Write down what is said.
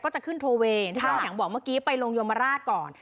ก็จะขึ้นโทเวที่ท่านแห่งบอกเมื่อกี้ไปลงโยมราชก่อน